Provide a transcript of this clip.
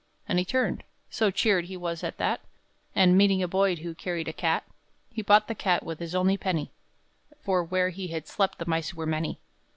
And he turned so cheered he was at that And, meeting a boy who carried a cat, He bought the cat with his only penny, For where he had slept the mice were many.